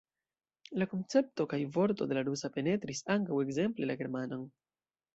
La koncepto kaj vorto de la rusa penetris ankaŭ ekzemple la germanan.